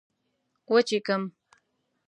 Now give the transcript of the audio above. وچيښم